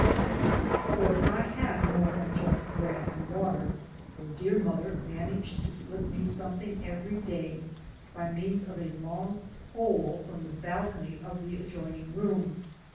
Of course I had more than just bread and water, for dear mother managed to slip me something every day by means of a long pole from the balcony of the adjoining room.